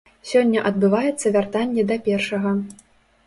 Сёння адбываецца вяртанне да першага.